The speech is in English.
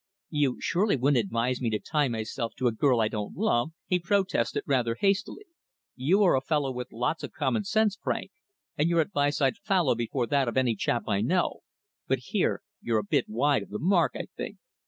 "You surely wouldn't advise me to tie myself to a girl I don't love?" he protested, rather hastily. "You are a fellow with lots of common sense, Frank, and your advice I'd follow before that of any chap I know, but here you're a bit wide of the mark, I think."